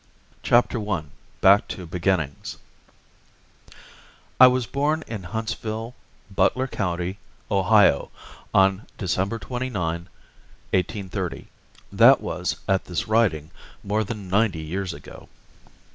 ] CHAPTER ONE BACK TO BEGINNINGS I WAS born in Huntsville, Butler County, Ohio, on December 29, 1830. That was, at this writing, more than ninety years ago.